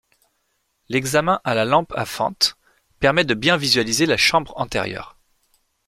L'examen à la lampe à fente permet de bien visualiser la chambre antérieure.